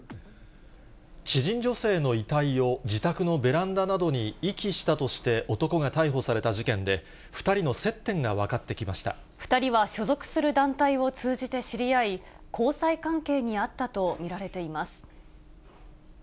知人女性の遺体を自宅のベランダなどに遺棄したとして男が逮捕された事件で、２人の接点が分２人は所属する団体を通じて知り合い、交際関係にあったと見られています。